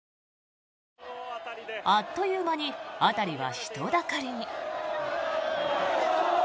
あっという間に辺りは人だかりに。